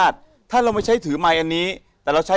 สนุนโดยผลิตภัณฑ์เสิร์ฟอาหารคอลล่าเจน